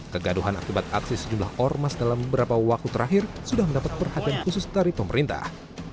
kegaduhan akibat aksi sejumlah ormas dalam beberapa waktu terakhir sudah mendapat perhatian khusus dari pemerintah